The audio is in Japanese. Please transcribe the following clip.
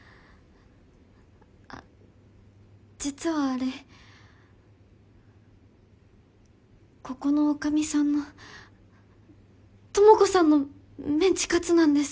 あ実はあれここのおかみさんの朋子さんのメンチカツなんです。